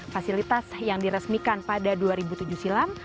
fasilitas yang diresmikan pada dua ribu tujuh silam